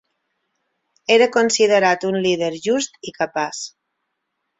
Era considerat un líder just i capaç.